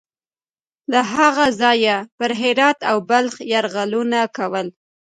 له هغه ځایه یې پر هرات او بلخ یرغلونه کول.